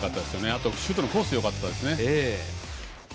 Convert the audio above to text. あとシュートのコースよかったですね。